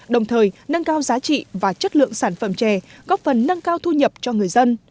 đồng thời nâng cao giá trị và chất lượng sản phẩm chè góp phần nâng cao thu nhập cho người dân